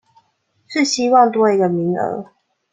是希望多一個名額